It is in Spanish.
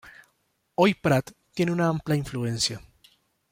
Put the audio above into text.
Hoy Pratt tiene una amplia influencia.